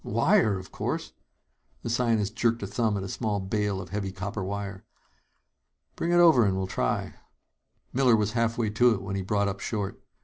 "Wire, of course!" The scientist jerked a thumb at a small bale of heavy copper wire. "Bring it over and we'll try it." Miller was halfway to it when he brought up short.